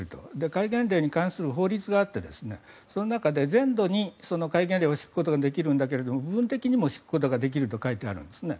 戒厳令に関する法律があってその中で全土にその戒厳令を敷くことができるんだけど部分的にも敷くことができると書いてあるんですね。